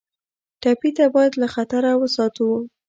ټپي ته باید له خطره وساتو.